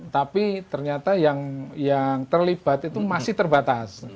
tapi ternyata yang terlibat itu masih terbatas